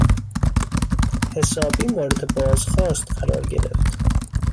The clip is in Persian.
حسابی مورد بازخواست قرار گرفت.